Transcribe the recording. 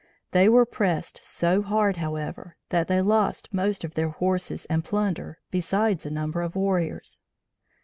They were pressed so hard, however, that they lost most of their horses and plunder besides a number of warriors.